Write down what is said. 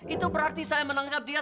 itu berarti saya menangkap dia